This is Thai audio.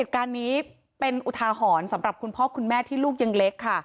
เหตุการณ์นี้เป็นอุทาหรณ์สำหรับคุณพ่อคุณแม่ที่ลูกยังเล็กค่ะ